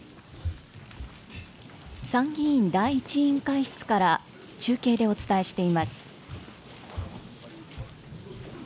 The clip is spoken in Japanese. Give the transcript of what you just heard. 参議院第１委員会室から中継でお伝えしています。